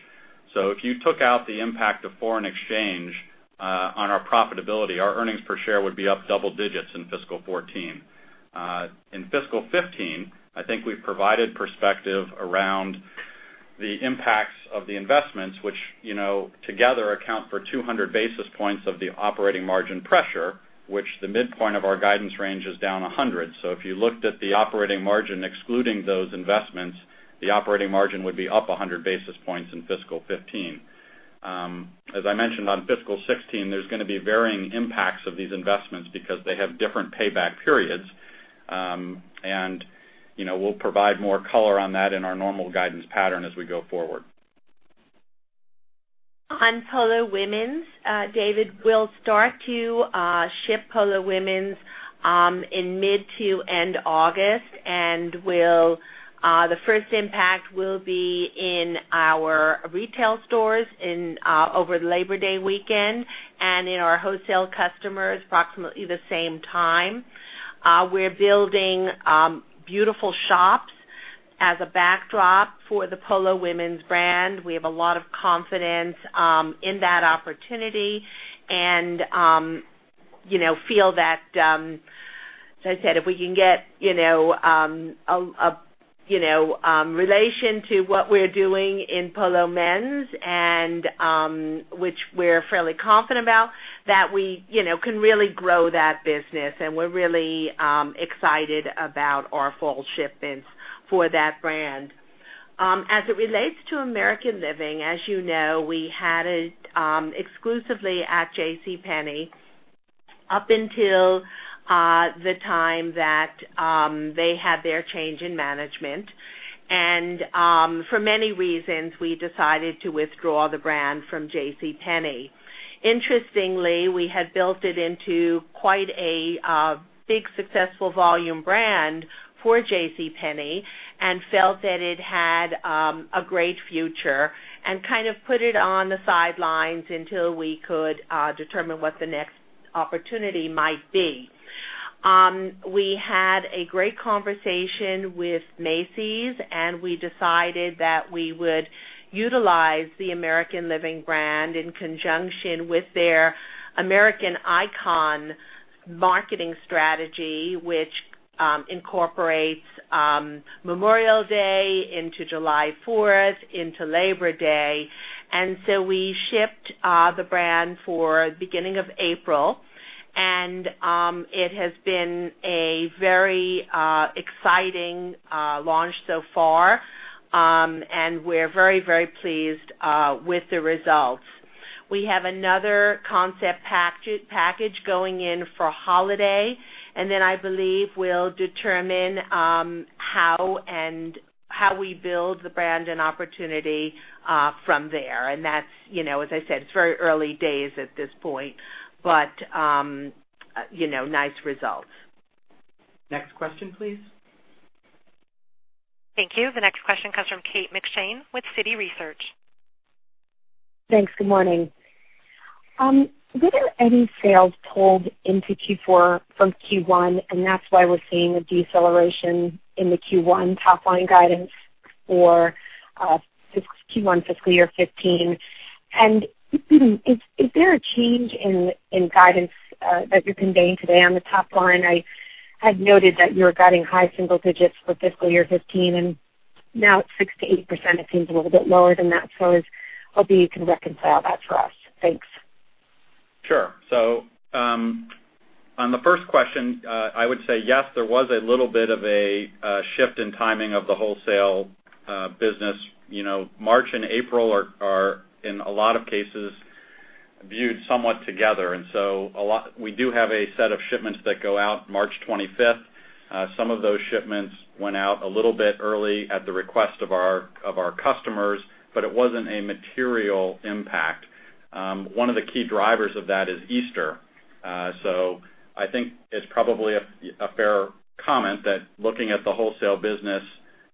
If you took out the impact of foreign exchange on our profitability, our earnings per share would be up double digits in fiscal 2014. In fiscal 2015, I think we've provided perspective around the impacts of the investments, which together account for 200 basis points of the operating margin pressure, which the midpoint of our guidance range is down 100. If you looked at the operating margin excluding those investments, the operating margin would be up 100 basis points in fiscal 2015. As I mentioned on fiscal 2016, there's going to be varying impacts of these investments because they have different payback periods. We'll provide more color on that in our normal guidance pattern as we go forward. On Polo Women's, David, we'll start to ship Polo Women's in mid to end August, and the first impact will be in our retail stores over Labor Day weekend, and in our wholesale customers approximately the same time. We're building beautiful shops as a backdrop for the Polo Women's brand. We have a lot of confidence in that opportunity, and feel that, as I said, if we can get a relation to what we're doing in Polo Men's, which we're fairly confident about, that we can really grow that business. We're really excited about our fall shipments for that brand. As it relates to American Living, as you know, we had it exclusively at JCPenney up until the time that they had their change in management. For many reasons, we decided to withdraw the brand from JCPenney. Interestingly, we had built it into quite a big, successful volume brand for JCPenney and felt that it had a great future and kind of put it on the sidelines until we could determine what the next opportunity might be. We had a great conversation with Macy's, and we decided that we would utilize the American Living brand in conjunction with their American Icon marketing strategy, which incorporates Memorial Day into July 4th into Labor Day. We shipped the brand for beginning of April, and it has been a very exciting launch so far. We're very pleased with the results. We have another concept package going in for holiday, and then I believe we'll determine how we build the brand and opportunity from there. As I said, it's very early days at this point, but nice results. Next question, please. Thank you. The next question comes from Kate McShane with Citi Research. Thanks. Good morning. Were there any sales pulled into Q4 from Q1, that's why we're seeing a deceleration in the Q1 top-line guidance for Q1 fiscal year 2015? Is there a change in guidance that you're conveying today on the top line? I had noted that you were guiding high single digits for fiscal year 2015, and now it's 6%-8%. It seems a little bit lower than that. I was hoping you can reconcile that for us. Thanks. Sure. On the first question, I would say yes, there was a little bit of a shift in timing of the wholesale business. March and April are, in a lot of cases, viewed somewhat together. We do have a set of shipments that go out March 25th. Some of those shipments went out a little bit early at the request of our customers, it wasn't a material impact. One of the key drivers of that is Easter. I think it's probably a fair comment that looking at the wholesale business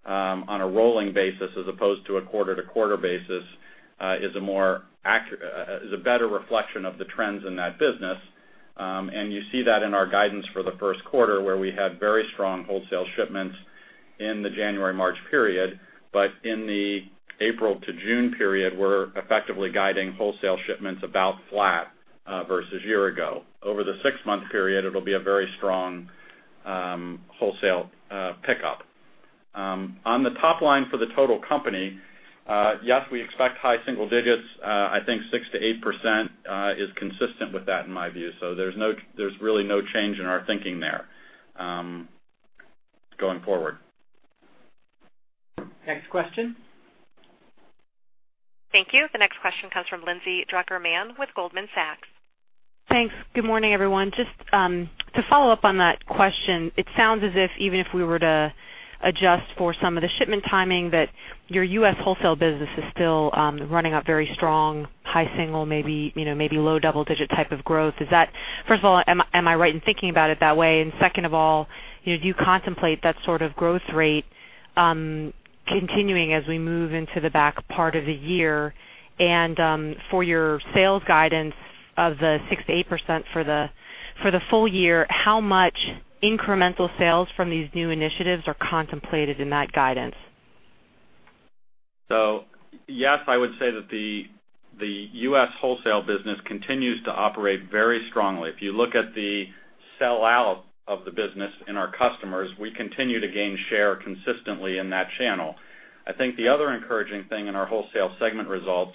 on a rolling basis as opposed to a quarter-to-quarter basis, is a better reflection of the trends in that business. You see that in our guidance for the first quarter, where we had very strong wholesale shipments in the January-March period. In the April to June period, we're effectively guiding wholesale shipments about flat versus year ago. Over the six-month period, it will be a very strong wholesale pickup. On the top line for the total company, yes, we expect high single digits. I think 6%-8% is consistent with that in my view. There's really no change in our thinking there going forward. Next question. Thank you. The next question comes from Lindsay Drucker Mann with Goldman Sachs. Thanks. Good morning, everyone. Just to follow up on that question, it sounds as if even if we were to adjust for some of the shipment timing, that your U.S. wholesale business is still running at very strong, high single, maybe low double-digit type of growth. First of all, am I right in thinking about it that way? Second of all, do you contemplate that sort of growth rate continuing as we move into the back part of the year? For your sales guidance of the 6%-8% for the full year, how much incremental sales from these new initiatives are contemplated in that guidance? Yes, I would say that the U.S. wholesale business continues to operate very strongly. If you look at the sell out of the business in our customers, we continue to gain share consistently in that channel. I think the other encouraging thing in our wholesale segment results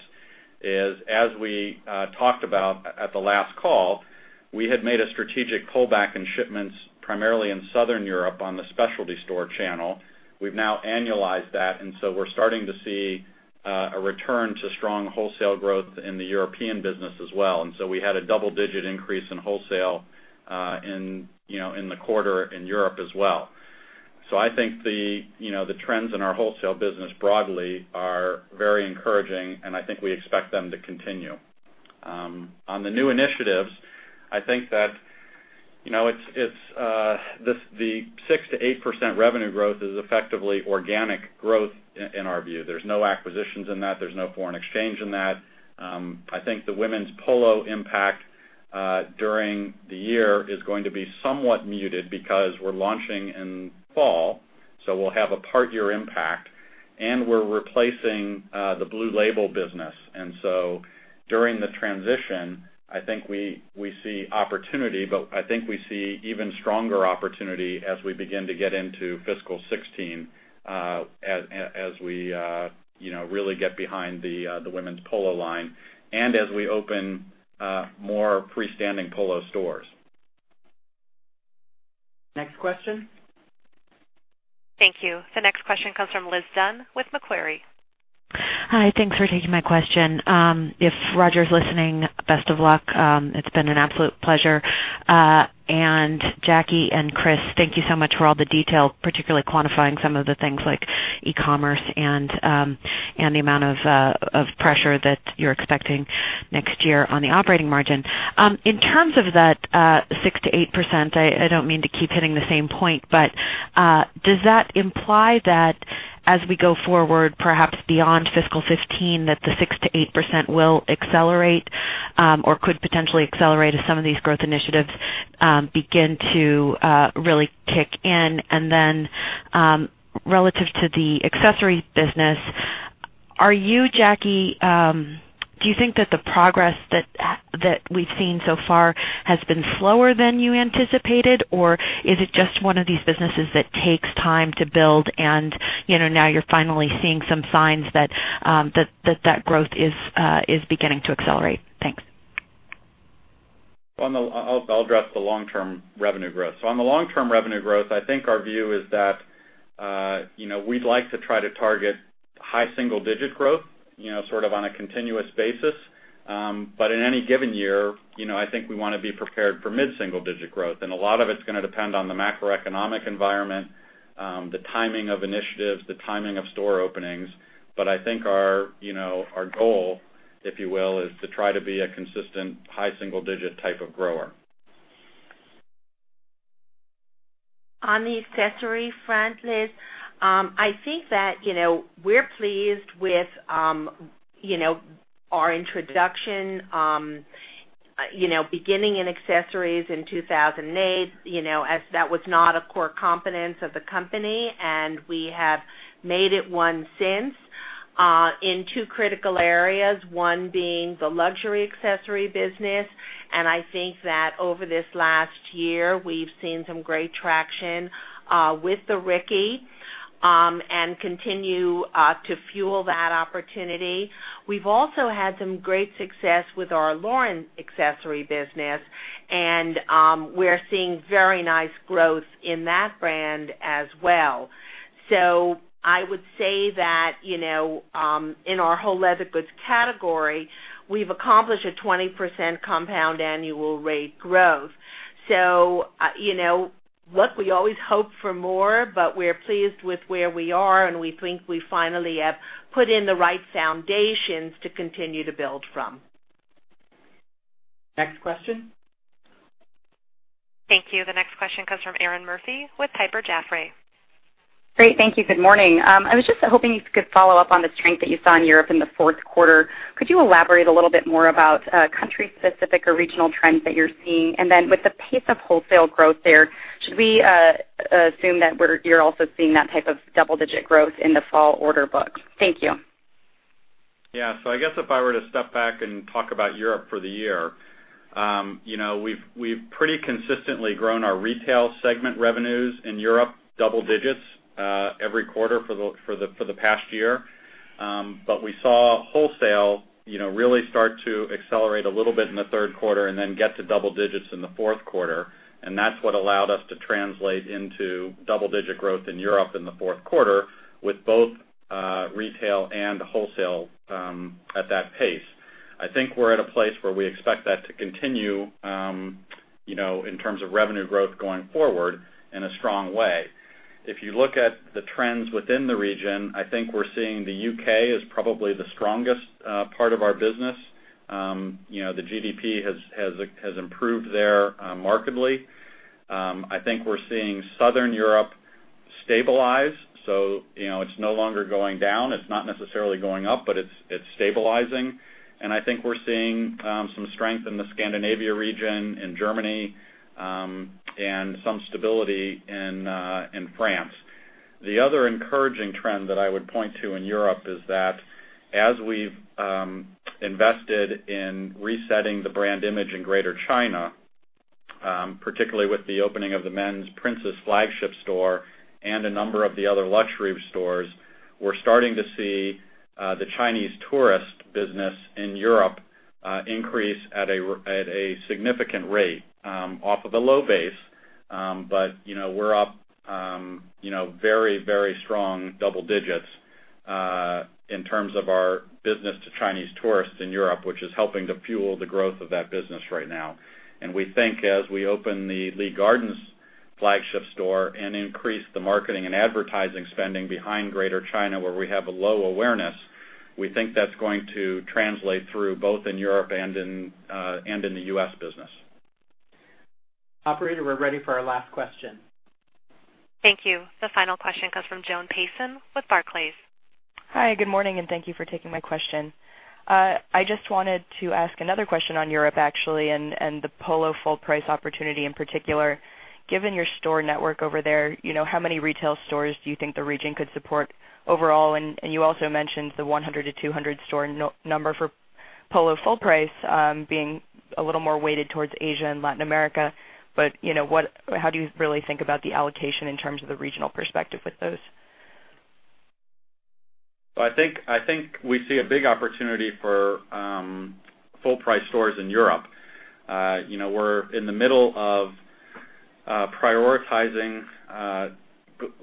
is, as we talked about at the last call, we had made a strategic pullback in shipments, primarily in Southern Europe on the specialty store channel. We've now annualized that. We're starting to see a return to strong wholesale growth in the European business as well. We had a double-digit increase in wholesale in the quarter in Europe as well. I think the trends in our wholesale business broadly are very encouraging, and I think we expect them to continue. On the new initiatives, I think that the 6%-8% revenue growth is effectively organic growth in our view. There's no acquisitions in that. There's no foreign exchange in that. I think the women's Polo impact during the year is going to be somewhat muted because we're launching in fall, so we'll have a part year impact, and we're replacing the Blue Label business. During the transition, I think we see opportunity, but I think we see even stronger opportunity as we begin to get into fiscal 2016, as we really get behind the women's Polo line and as we open more freestanding Polo stores. Next question. Thank you. The next question comes from Liz Dunn with Macquarie. Hi. Thanks for taking my question. If Roger's listening, best of luck. It's been an absolute pleasure. Jackie and Chris, thank you so much for all the detail, particularly quantifying some of the things like e-commerce and the amount of pressure that you're expecting next year on the operating margin. In terms of that 6%-8%, I don't mean to keep hitting the same point, but does that imply that as we go forward, perhaps beyond FY 2015, that the 6%-8% will accelerate or could potentially accelerate as some of these growth initiatives begin to really kick in? Relative to the accessories business, are you, Jackie, do you think that the progress that we've seen so far has been slower than you anticipated, or is it just one of these businesses that takes time to build and now you're finally seeing some signs that that growth is beginning to accelerate? Thanks. I'll address the long-term revenue growth. On the long-term revenue growth, I think our view is that we'd like to try to target high single-digit growth on a continuous basis. In any given year, I think we want to be prepared for mid-single-digit growth. A lot of it's going to depend on the macroeconomic environment, the timing of initiatives, the timing of store openings. I think our goal, if you will, is to try to be a consistent high single-digit type of grower. On the accessory front, Liz, I think that we're pleased with our introduction beginning in accessories in 2008, as that was not a core competence of the company, and we have made it one since in two critical areas, one being the luxury accessory business. I think that over this last year, we've seen some great traction with the Ricky, and continue to fuel that opportunity. We've also had some great success with our Lauren accessory business, and we're seeing very nice growth in that brand as well. I would say that, in our whole leather goods category, we've accomplished a 20% compound annual rate growth. Look, we always hope for more, we're pleased with where we are, and we think we finally have put in the right foundations to continue to build from. Next question. Thank you. The next question comes from Erinn Murphy with Piper Jaffray. Great. Thank you. Good morning. I was just hoping you could follow up on the strength that you saw in Europe in the fourth quarter. Could you elaborate a little bit more about country specific or regional trends that you're seeing? Then with the pace of wholesale growth there, should we assume that you're also seeing that type of double-digit growth in the fall order book? Thank you. I guess if I were to step back and talk about Europe for the year, we've pretty consistently grown our retail segment revenues in Europe double digits every quarter for the past year. We saw wholesale really start to accelerate a little bit in the third quarter then get to double digits in the fourth quarter, that's what allowed us to translate into double-digit growth in Europe in the fourth quarter with both retail and wholesale at that pace. I think we're at a place where we expect that to continue, in terms of revenue growth going forward in a strong way. If you look at the trends within the region, I think we're seeing the U.K. as probably the strongest part of our business. The GDP has improved there markedly. I think we're seeing Southern Europe stabilize, it's no longer going down. It's not necessarily going up, but it's stabilizing. I think we're seeing some strength in the Scandinavia region, in Germany, and some stability in France. The other encouraging trend that I would point to in Europe is that as we've invested in resetting the brand image in Greater China, particularly with the opening of the men's Prince's flagship store and a number of the other luxury stores, we're starting to see the Chinese tourist business in Europe increase at a significant rate off of a low base. We're up very strong double digits in terms of our business to Chinese tourists in Europe, which is helping to fuel the growth of that business right now. We think as we open the Lee Gardens flagship store and increase the marketing and advertising spending behind Greater China, where we have a low awareness, we think that's going to translate through both in Europe and in the U.S. business. Operator, we're ready for our last question. Thank you. The final question comes from Joan Payson with Barclays. Hi, good morning, and thank you for taking my question. I just wanted to ask another question on Europe, actually, and the Polo full price opportunity in particular. Given your store network over there, how many retail stores do you think the region could support overall? You also mentioned the 100 to 200 store number for Polo full price being a little more weighted towards Asia and Latin America. How do you really think about the allocation in terms of the regional perspective with those? I think we see a big opportunity for full price stores in Europe. We're in the middle of prioritizing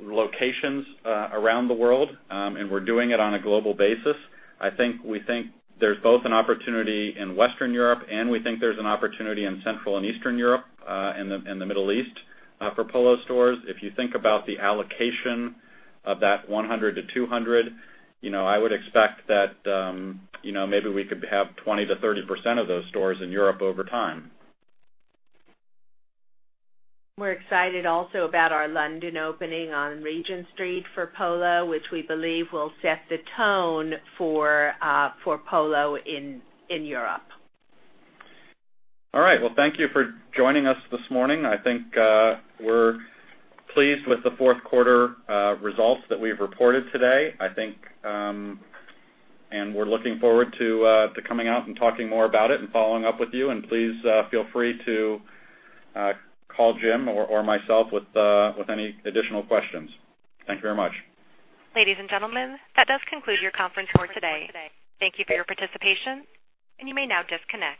locations around the world, and we're doing it on a global basis. I think we think there's both an opportunity in Western Europe, and we think there's an opportunity in Central and Eastern Europe and the Middle East for Polo stores. If you think about the allocation of that 100 to 200, I would expect that maybe we could have 20%-30% of those stores in Europe over time. We're excited also about our London opening on Regent Street for Polo, which we believe will set the tone for Polo in Europe. All right. Well, thank you for joining us this morning. I think we're pleased with the fourth quarter results that we've reported today. We're looking forward to coming out and talking more about it and following up with you. Please feel free to call Jim or myself with any additional questions. Thank you very much. Ladies and gentlemen, that does conclude your conference call today. Thank you for your participation, and you may now disconnect.